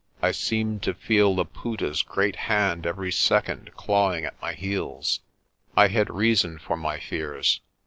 I seemed to feel Laputa's great hand every second clawing at my heels. I had reason for my fears.